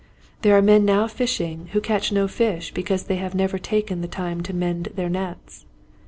There are men now fishing who catch no fish because they have never taken time to mend their nets.